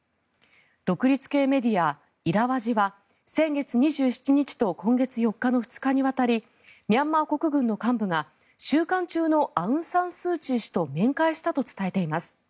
独立系メディア、イラワジは先月２７日と今月４日の２日にわたりミャンマー国軍の幹部が収監中のアウンサンスーチー氏と面会したと伝えています。